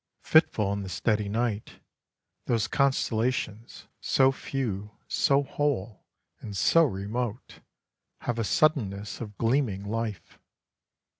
Fitful in the steady night, those constellations, so few, so whole, and so remote, have a suddenness of gleaming life.